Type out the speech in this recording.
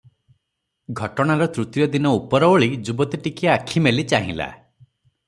ଘଟଣାର ତୃତୀୟ ଦିନ ଉପରଓଳି ଯୁବତୀ ଟିକିଏ ଆଖି ମେଲି ଚାହିଁଲା ।